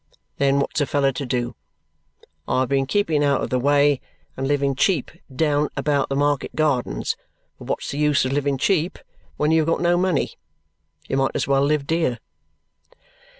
Then what's a fellow to do? I have been keeping out of the way and living cheap down about the market gardens, but what's the use of living cheap when you have got no money? You might as well live dear."